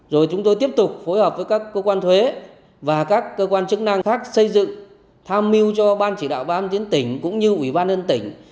rồi chúng tôi tiếp tục phối hợp với các cơ quan thuế và các cơ quan chức năng khác xây dựng tham mưu cho ban chỉ đạo ba trăm tám mươi chín tỉnh cũng như ủy ban nhân tỉnh